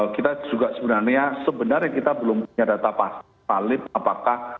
kita juga sebenarnya kita belum punya data valid apakah